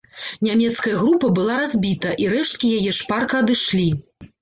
Нямецкая група была разбіта, і рэшткі яе шпарка адышлі.